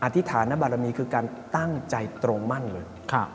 ธิษฐานบารมีคือการตั้งใจตรงมั่นเลย